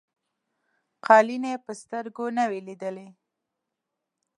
قالیني په سترګو نه وې لیدلي.